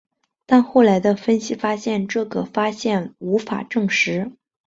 但后来的分析发现这个发现无法证实。